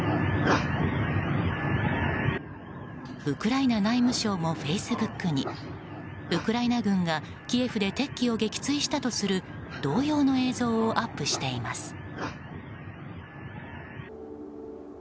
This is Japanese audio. ウクライナ内務省もフェイスブックにウクライナ軍がキエフで敵機を撃墜したとする同様の映像をアップしています。